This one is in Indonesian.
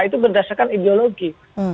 itu berdasarkan ideologi